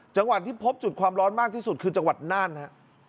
จังหวัดที่พบจุดความร้อนมากที่สุดคือจังหวัดน่านฮะ